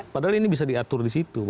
padahal ini bisa diatur di situ